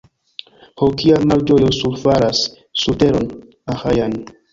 Ho, kia malĝojo surfalas sur teron Aĥajan!